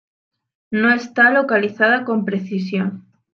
No está localizada con precisión.